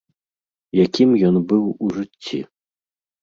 Якім ён быў у жыцці?